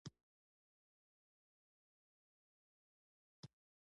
اوس خو دادی دغه ځای زه په خپلو سترګو ګورم.